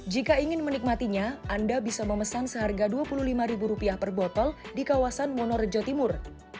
jika ingin menikmatinya anda bisa memesan seharga dua puluh lima per botol di kawasan monorejo timur